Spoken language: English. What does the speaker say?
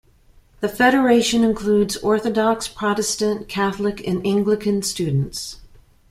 The Federation includes Orthodox, Protestant, Catholic, and Anglican students.